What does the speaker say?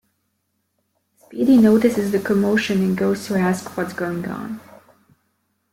Speedy notices the commotion and goes to ask what's going on.